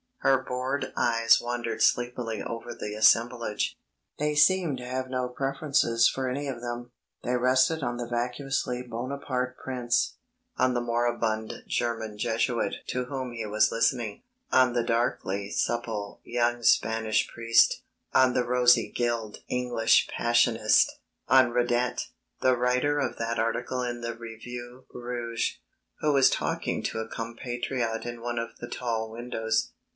Her bored eyes wandered sleepily over the assemblage. They seemed to have no preferences for any of them. They rested on the vacuously Bonaparte prince, on the moribund German Jesuit to whom he was listening, on the darkly supple young Spanish priest, on the rosy gilled English Passionist, on Radet, the writer of that article in the Revue Rouge, who was talking to a compatriot in one of the tall windows.